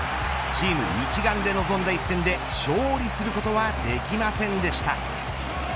チーム一丸で臨んだ一戦で勝利することはできませんでした。